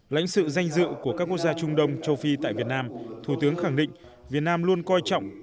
lãnh sự danh dự của các quốc gia trung đông châu phi tại việt nam thủ tướng khẳng định việt nam luôn coi trọng